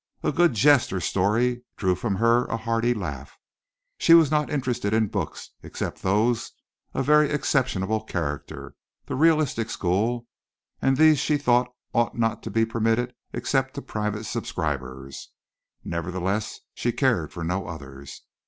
A good jest or story drew from her a hearty laugh. She was not interested in books except those of a very exceptional character the realistic school and these she thought ought not to be permitted except to private subscribers, nevertheless she cared for no others.